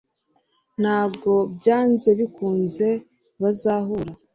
Ntabwo byanze bikunze bazahura.